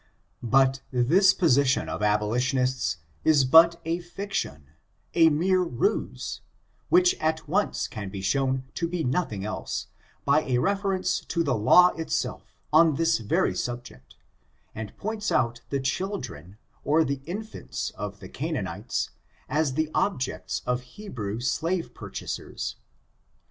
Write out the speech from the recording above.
But this position of abolitionists is but a fiction, a mere ruse^ which, at once, can be shown to be nothing else, by a reference to the law itself, on this very subject, and points out the children^ or the in<* fants of the Canaanites, as the objects of Hebrew slave purchasers.